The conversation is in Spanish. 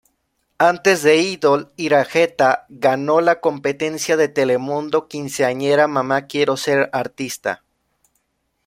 Antes de "Idol", Iraheta ganó la competencia de Telemundo "Quinceañera: Mamá quiero ser artista".